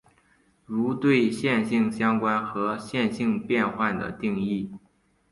如对线性相关和线性变换的定义。